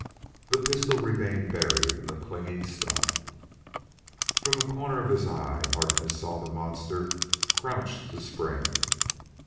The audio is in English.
The pistol remained buried in the clinging stuff. From the corner of his eye, Harkness saw the monster crouched to spring.